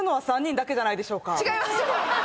違いますよ！